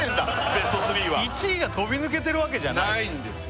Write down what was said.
ベスト３は１位が飛び抜けてるわけじゃないないんですよ